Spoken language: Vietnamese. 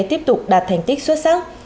tiếp tục đạt thành tích xuất sắc